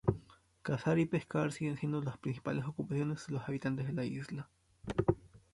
Cazar y pescar siguen siendo las principales ocupaciones de los habitantes de la isla.